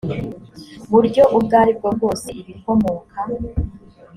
buryo ubwo ari bwo bwose ibikomoka